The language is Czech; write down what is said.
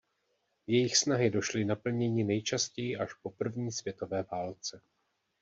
Jejich snahy došly naplnění nejčastěji až po první světové válce.